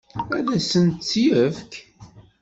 Ad asent-tt-yefk?